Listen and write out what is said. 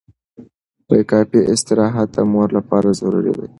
کافي استراحت د مور لپاره ضروري دی.